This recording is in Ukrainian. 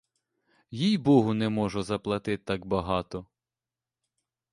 Їй-богу, не можу заплатить так багато.